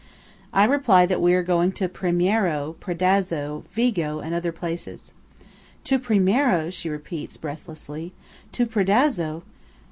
I reply that we are going to Primiero, Predazzo, Vigo, and other places. "To Primiero!" she repeats, breathlessly. "To Predazzo!